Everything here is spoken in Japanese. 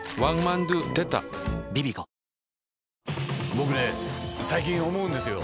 僕ね最近思うんですよ。